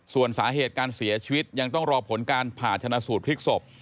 ส่วนสาเหตุการเสียชีวิตยังต้องรอผลการผ่าชนะสูตรพลิกศพ